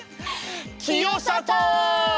清里！